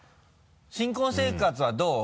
新婚生活はどう？